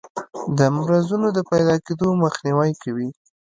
د مرضونو د پیداکیدو مخنیوی کوي.